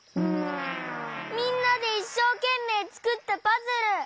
みんなでいっしょうけんめいつくったパズル！